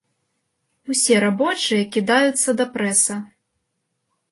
Усе рабочыя кідаюцца да прэса.